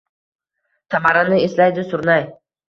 Tamarani eslaydi surnay.